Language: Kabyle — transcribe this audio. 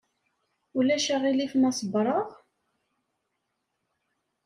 Ulac aɣilif ma ṣewwreɣ?